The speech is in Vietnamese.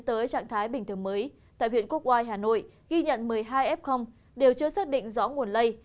tới trạng thái bình thường mới tại huyện quốc oai hà nội ghi nhận một mươi hai f đều chưa xác định rõ nguồn lây